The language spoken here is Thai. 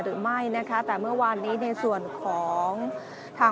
เมื่อเวลาอันดับสุดท้ายเมื่อเวลาอันดับสุดท้าย